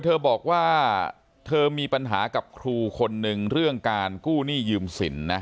เธอบอกว่าเธอมีปัญหากับครูคนนึงเรื่องการกู้หนี้ยืมสินนะ